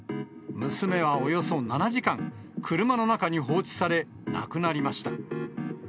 娘はおよそ７時間、車の中に放置され、亡くなりました。